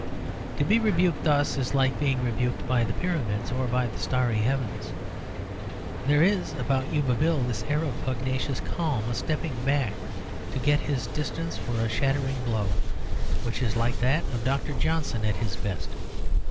To be rebuked thus is like being rebuked by the Pyramids or by the starry heavens. There is about Yuba Bill this air of a pugnacious calm, a stepping back to get his distance for a shattering blow, which is like that of Dr. Johnson at his best.